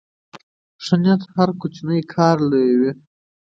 ښه نیت هره وړه کار لویوي.